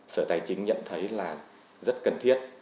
sở tài chính nhận thấy là rất cần thiết